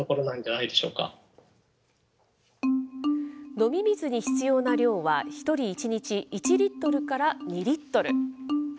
飲み水に必要な量は、１人１日１リットルから２リットル。